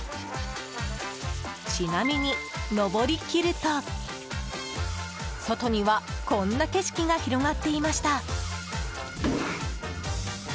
ちなみに上りきると外には、こんな景色が広がっていました。